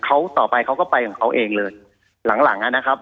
เขาต่อไปเขาก็ไปกับเขาเองเลยหลังนะครับ